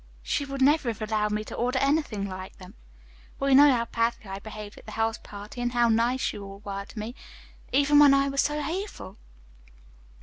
She would never have allowed me to order anything like them. Well, you know how badly I behaved at the house party, and how nice you all were to me, even when I was so hateful.